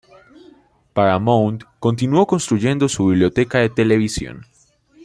Paramount continuó construyendo su biblioteca de televisión.